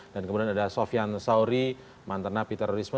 dan kemudian ada sofyan sauri mantan nabi terorisme